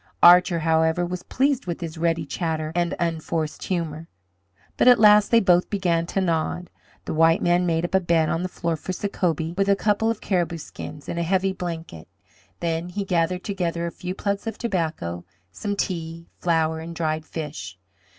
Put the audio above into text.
Archer, however, was pleased with his ready chatter and unforced humour. But at last they both began to nod. The white man made up a bed on the floor for Sacobie with a couple of caribou skins and a heavy blanket. Then he gathered together a few plugs of tobacco, some tea, flour, and dried fish.